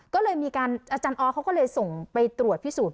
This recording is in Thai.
ก็เลยมีการอาจารย์ออสเขาก็เลยส่งไปตรวจพิสูจน์